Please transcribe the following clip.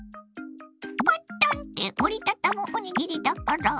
パッタンって折り畳むおにぎりだから。